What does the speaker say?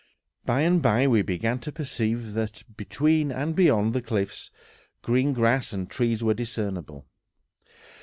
By and by we began to perceive that, between and beyond the cliffs, green grass and trees were discernible.